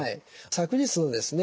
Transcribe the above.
昨日ですね